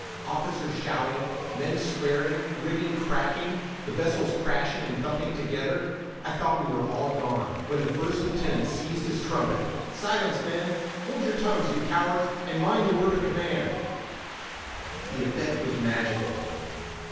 Officers shouting, men swearing, rigging cracking, the vessels crashing and thumping together, I thought we were gone, when the first lieutenant seized his trumpet—"Silence, men; hold your tongues, you cowards, and mind the word of command!" The effect was magical.